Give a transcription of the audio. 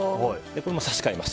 これも差し替えます。